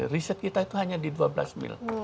riset kita itu hanya di dua belas mil